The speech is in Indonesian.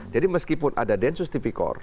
jadi meskipun ada densus tipikor